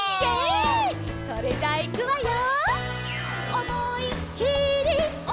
それじゃいくわよ。